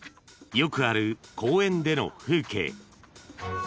［よくある公園での風景］